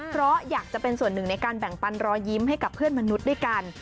เพราะอยากจะเป็นส่วนหนึ่งในการแบ่งปันรอยยิ้มให้กับเพื่อนมนุษย์ด้วยกัน